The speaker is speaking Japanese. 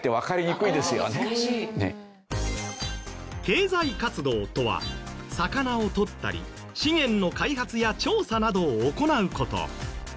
経済活動とは魚をとったり資源の開発や調査などを行う事。